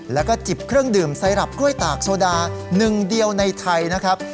แล้วก็จิบเครื่องดื่มไซรับกล้วยตากโซดาหนึ่งเดียวในไทยนะครับ